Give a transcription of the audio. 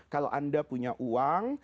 kalau anda punya uang